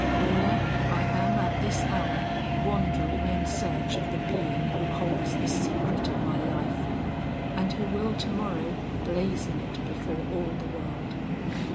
"Paula, I am at this hour wandering in search of the being who holds the secret of my life and who will to morrow blazon it before all the world.